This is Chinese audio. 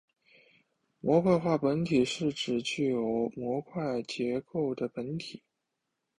模块化本体是指具有模块结构的本体。